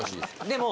でも。